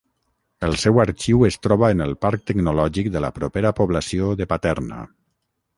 El seu arxiu es troba en el parc tecnològic de la propera població de Paterna.